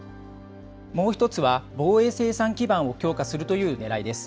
もう１つは、防衛生産基盤を強化するというねらいです。